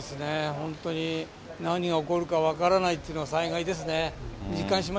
本当に何が起こるか分からないっていうのが災害ですね。